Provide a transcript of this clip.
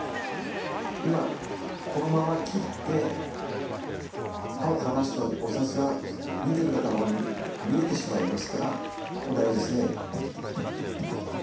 今このまま切ってはい離すとお札が見てる方の方に見えてしまいますからここ大事ですね。